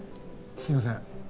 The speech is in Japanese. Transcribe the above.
すいません